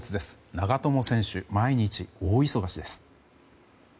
長友選手、毎日大忙しです。